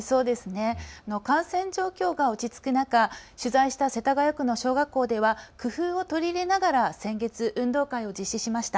感染状況が落ち着く中、取材した世田谷区の小学校では工夫を取り入れながら先月、運動会を実施しました。